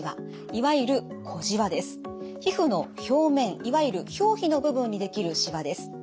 いわゆる皮膚の表面いわゆる表皮の部分にできるしわです。